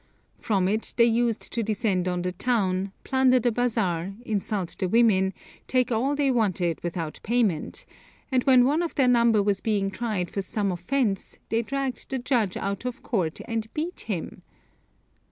From it they used to descend on the town, plunder the bazaar, insult the women, take all they wanted without payment, and when one of their number was being tried for some offence, they dragged the judge out of court and beat him!